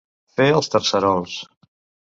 Fer els tercerols.